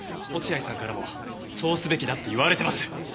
落合さんからもそうすべきだって言われてます。